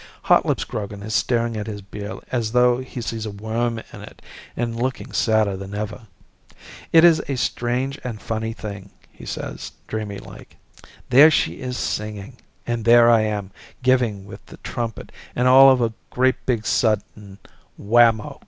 Hotlips Grogan is staring at his beer as though he sees a worm in it and looking sadder than ever. "It is a strange and funny thing," he says, dreamy like. "There she is singing, and there I am giving with the trumpet, and all of a great big sudden whammo!